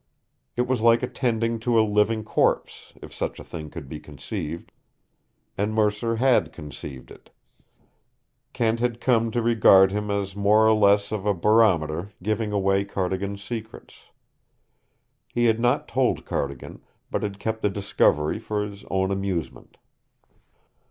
It was like attending to a living corpse, if such a thing could be conceived. And Mercer had conceived it. Kent had come to regard him as more or less of a barometer giving away Cardigan's secrets. He had not told Cardigan, but had kept the discovery for his own amusement.